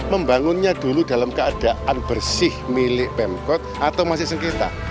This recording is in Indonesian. membangunnya dulu dalam keadaan bersih milik pemkot atau masih sengketa